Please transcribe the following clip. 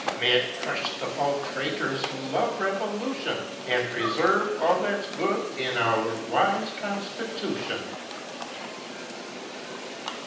May it crush the foul traitors who love revolution, And preserve all that's good in our wise constitution.